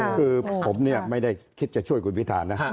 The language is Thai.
คือผมเนี่ยไม่ได้คิดจะช่วยคุณพิธานะ